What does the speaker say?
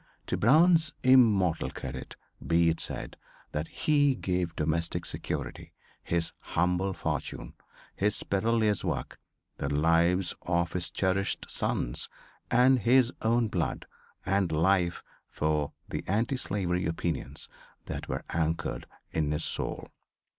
To Brown's immortal credit be it said that he gave domestic security, his humble fortune, his perillous work, the lives of his cherished sons and his own blood and life for the anti slavery opinions that were anchored in his soul.